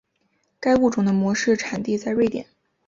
该物种的模式产地在瑞典。